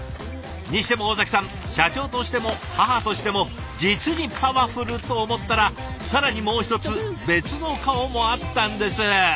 にしても尾崎さん社長としても母としても実にパワフルと思ったら更にもう一つ別の顔もあったんです。